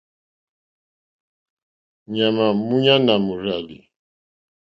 Ŋmánà múɲánà mòrzàlì.